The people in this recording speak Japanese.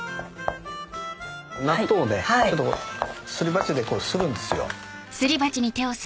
納豆をすり鉢でするんですよ。